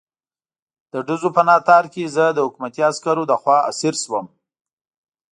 د ډزو په ناتار کې زه د حکومتي عسکرو لخوا اسیر شوم.